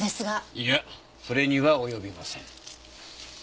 いやそれには及びません。